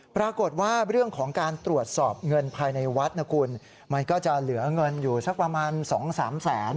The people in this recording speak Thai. ปรากฏว่าเรื่องของการตรวจสอบเงินภายในวัดนะคุณมันก็จะเหลือเงินอยู่สักประมาณ๒๓แสน